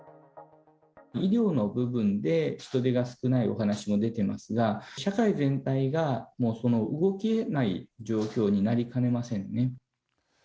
医療の部分で、人手が少ないお話も出てますが、社会全体がもう動けない状況になりかねませんよね。